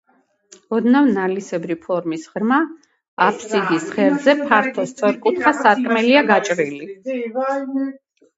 ოდნავ ნალისებრი ფორმის ღრმა აბსიდის ღერძზე ფართო სწორკუთხა სარკმელია გაჭრილი.